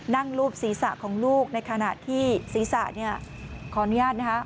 นั่งรูปศรีษะของลูกในขณะที่ศรีษะขออนุญาต